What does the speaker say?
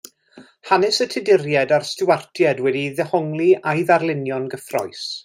Hanes y Tuduriaid a'r Stiwartiaid wedi ei ddehongli a'i ddarlunio'n gyffrous.